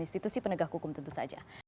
institusi penegak hukum tentu saja